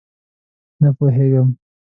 _نه پوهېږم.